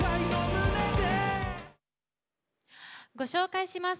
ご紹介します。